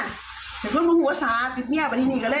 นี่คือเสียงของผู้เสียหายนะคะคุณอ้อยคนที่เป็นเมียฝรั่งคนนั้นแหละ